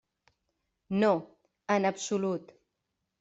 No, en absolut.